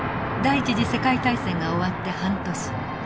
第一次世界大戦が終わって半年。